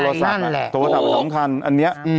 โทรศัพท์แหละโทรศัพท์มันสำคัญอันนี้